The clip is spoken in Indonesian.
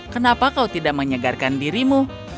kenapa kau tidak menyegarkan dirimu